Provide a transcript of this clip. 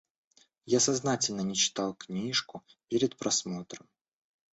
Я сознательно не читал книжку перед просмотром.